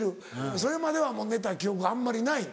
それまではもう寝た記憶があんまりない。